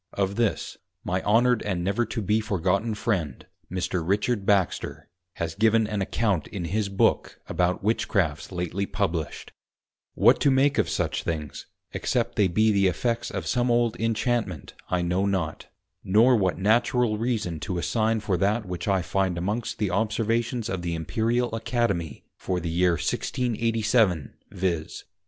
Of this, my Honoured and never to be forgotten Friend Mr. Richard Baxter, has given an Account in his Book about Witchcrafts lately Published: what to make of such things, except they be the effects of some old Inchantment, I know not; nor what Natural Reason to assign for that which I find amongst the Observations of the Imperial Academy for the Year 1687, _viz.